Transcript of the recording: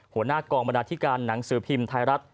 หัวหน้ากองบรรณาธิการหนังสือพิมพ์ไทยรัฐ